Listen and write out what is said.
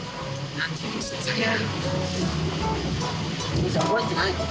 父ちゃん覚えてないの？